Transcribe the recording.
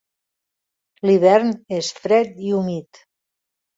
L'hivern és fred i humit.